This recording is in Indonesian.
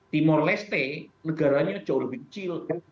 timur leste negaranya jauh lebih kecil